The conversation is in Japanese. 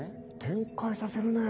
展開させるね。